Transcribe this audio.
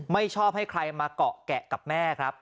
ไม่ชอบให้ใครมาเกาะแกะกับแม่ครับ